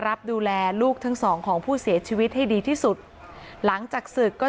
รับดูแลลูกทั้งสองของผู้เสียชีวิตให้ดีที่สุดหลังจากศึกก็